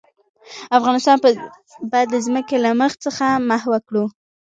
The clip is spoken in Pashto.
افغانستان به د ځمکې له مخ څخه محوه کړو.